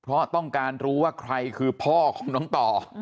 เพราะต้องการรู้ว่าใครคือพ่อของน้องต่อ